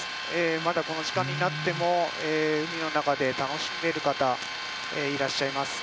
まだこの時間になっても海の中で楽しんでいる方がいらっしゃいます。